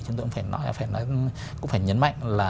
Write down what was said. chúng tôi cũng phải nhấn mạnh là